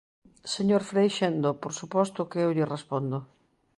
Señor Freixendo, por suposto que eu lle respondo.